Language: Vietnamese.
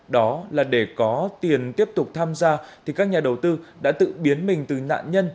đó là để có tiền tiếp tục tham gia thì các nhà đầu tư đã tự biến mình từ nạn nhân